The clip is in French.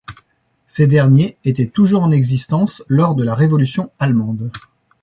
Ces derniers étaient toujours en existence lors de la Révolution allemande.